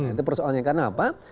itu persoalannya karena apa